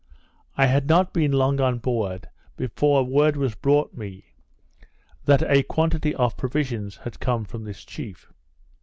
I had not been long on board before word was brought me, that a quantity of provisions had come from this chief.